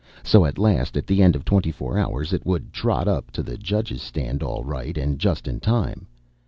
So at last, at the end of twenty four hours, it would trot up to the judges' stand all right and just in time.